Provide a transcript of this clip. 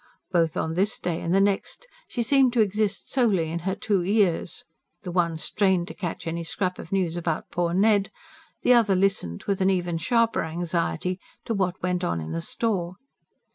Both on this day and the next she seemed to exist solely in her two ears. The one strained to catch any scrap of news about "poor Ned"; the other listened, with an even sharper anxiety, to what went on in the store.